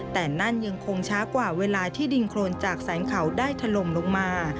แต่นั่นยังคงช้ากว่าเวลาที่ดินโครนจากแสงเขาได้ถล่มลงมา